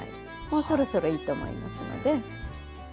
もうそろそろいいと思いますので。